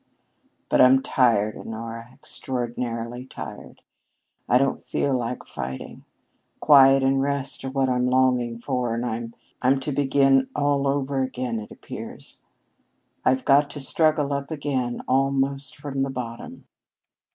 "But I'm tired, Honora, extraordinarily tired. I don't feel like fighting. Quiet and rest are what I'm longing for, and I'm to begin all over again, it appears. I've got to struggle up again almost from the bottom."